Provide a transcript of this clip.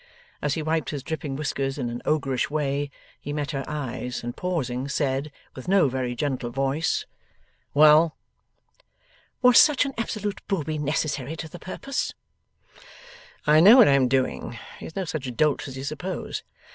As he wiped his dripping whiskers in an ogreish way, he met her eyes, and pausing, said, with no very gentle voice: 'Well?' 'Was such an absolute Booby necessary to the purpose?' 'I know what I am doing. He is no such dolt as you suppose.